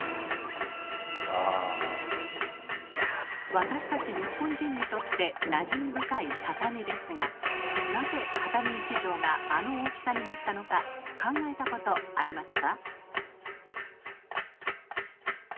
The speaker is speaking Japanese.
私たち日本人にとってなじみ深い畳ですがなぜ畳１畳があの大きさになったのか考えたことありますか？